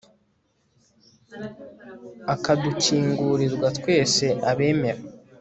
akadukingurirwa twese abemera